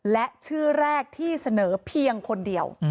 และชื่อแรกที่เสนอเพียงคนเดียว